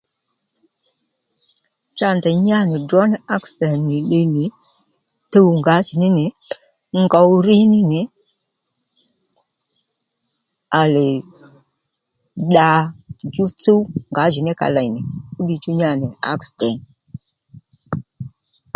Cha ndèy nyá nì drǒ ní aksìdent nì ddiy nì tuw ngǎjìní nì ngow rí ní nì àlè dda djú tsúw ngǎjìní ka lêy nì fúddiy chú nya nì aksìdènt